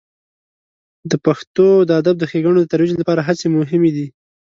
د پښتو د ادب د ښیګڼو د ترویج لپاره هڅې مهمې دي.